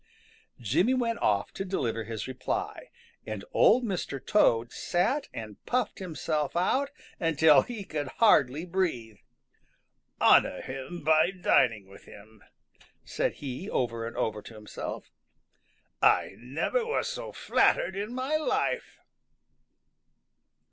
Jimmy went off to deliver his reply, and Old Mr. Toad sat and puffed himself out until he could hardly breathe. "Honor him by dining with him," said he over and over to himself. "I never was so flattered in my life."